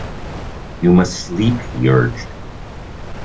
You must sleep, he urged.